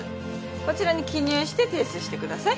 こちらに記入して提出してください